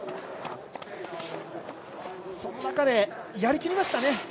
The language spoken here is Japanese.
その中でやりきりましたね。